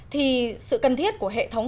thì sự cần thiết của hệ thống